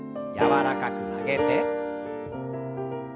柔らかく曲げて。